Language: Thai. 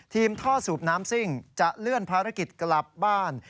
ท่อสูบน้ำซิ่งจะเลื่อนภารกิจกลับบ้าน